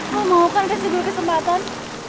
lo mau kan kasih gue kesempatan